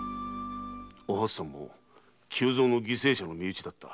お初さんも久蔵の犠牲者の身内だった。